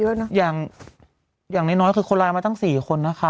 เนี่ยเขาบอกว่าอย่างน้อยคือคนร้านมาตั้ง๔คนนะคะ